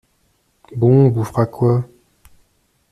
Bon, on bouffera quoi?